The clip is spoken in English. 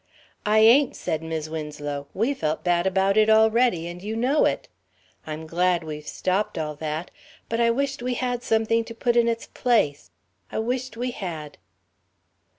"I ain't," said Mis' Winslow, "we felt bad about it already, and you know it. I'm glad we've stopped all that. But I wish't we had something to put in its place. I wish't we had."